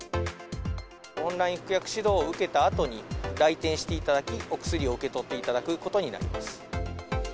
オンライン服薬指導を受けたあとに、来店していただき、お薬を受け取っていただくことになります。